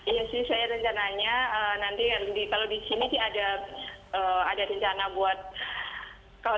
iya sih saya rencananya nanti kalau di sini sih ada rencana buat